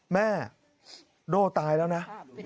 โด่ตายแล้วนะ